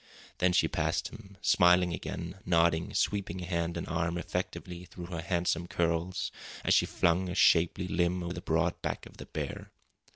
Then she passed him, smiling again, nodding, sweeping a hand and arm effectively through her handsome curls as she flung a shapely limb over the broad back of the bear.